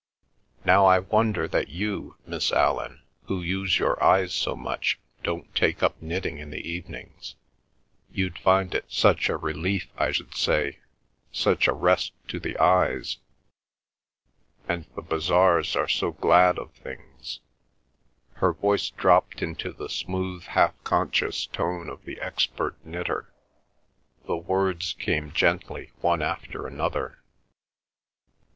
Now I wonder that you, Miss Allan, who use your eyes so much, don't take up knitting in the evenings. You'd find it such a relief, I should say—such a rest to the eyes—and the bazaars are so glad of things." Her voice dropped into the smooth half conscious tone of the expert knitter; the words came gently one after another.